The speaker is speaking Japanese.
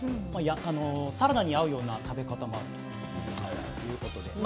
サラダに合うような食べ方もあるということです。